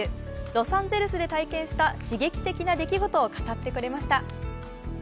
ロサンゼルスで体験した刺激的な出来事を語ってくれました。